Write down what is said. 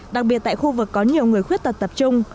đặc biệt tại khu vực có nhiều người khuyết tật tập trung